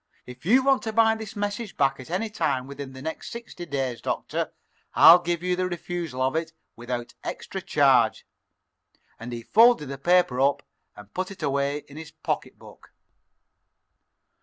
"If you want to buy this message back at any time within the next sixty days, Doctor, I'll give you the refusal of it without extra charge." And he folded the paper up and put it away in his pocketbook.